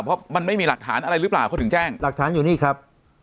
เพราะมันไม่มีหลักฐานอะไรหรือเปล่าเขาถึงแจ้งหลักฐานอยู่นี่ครับ